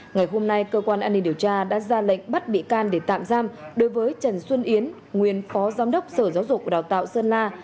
ngày hôm nay cơ quan an ninh điều tra đã ra lệnh bắt bị can để tạm giam đối với trần xuân yến nguyên phó giám đốc sở giáo dục và đào tạo sơn la